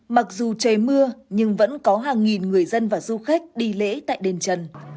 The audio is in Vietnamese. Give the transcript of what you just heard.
mặc dù trời mưa nhưng vẫn có hàng nghìn người dân và du khách đi lễ tại đền trần